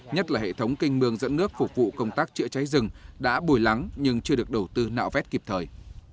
nhất là hệ thống kênh mương dẫn nước phục vụ công tác chữa cháy rừng đã bồi lắng nhưng chưa được đầu tư nạo vét kịp thời